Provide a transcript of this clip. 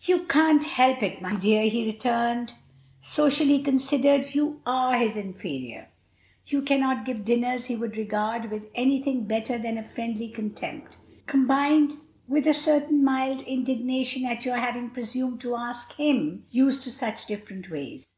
"You can't help it, my dear," he returned. "Socially considered, you are his inferior. You cannot give dinners he would regard with any thing better than a friendly contempt, combined with a certain mild indignation at your having presumed to ask him, used to such different ways.